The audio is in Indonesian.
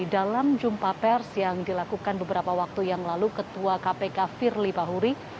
dalam jumpa pers yang dilakukan beberapa waktu yang lalu ketua kpk firly bahuri